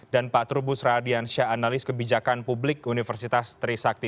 dan pak trubus radiansya analis kebijakan publik universitas trisakti